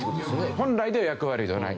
本来では役割ではない。